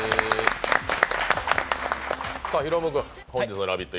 大夢君、本日の「ラヴィット！」